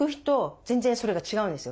全然それが違うんですよ。